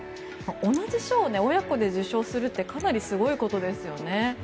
同じ賞を親子で受賞するってかなりすごいことですよね。